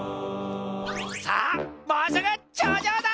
さあもうすぐちょうじょうだ！